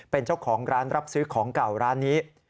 เป็นเจ้าของร้านรับซื้อของเก่าร้านนี้